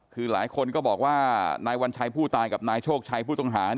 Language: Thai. คือหลายคนก็บอกว่านายวัญชัยผู้ตายกับนายโชคชัยผู้ต้องหา